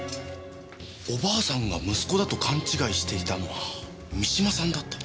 おばあさんが息子だと勘違いしていたのは三島さんだった。